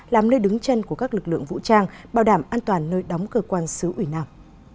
làm nơi đứng chân của các lực lượng vũ trang bảo đảm an toàn nơi đóng cơ quan xứ ủy nam